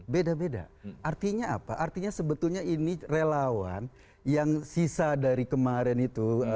beda beda artinya apa artinya sebetulnya ini relawan yang sisa dari kemarin itu